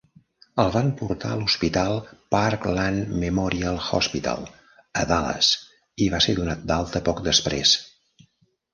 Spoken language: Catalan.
El van portar a l'hospital Parkland Memorial Hospital, a Dallas, i va ser donat d'alta poc després.